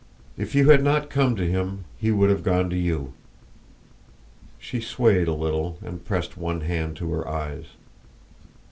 "If you had not come to him he would have gone to you." She swayed a little and pressed one hand to her eyes.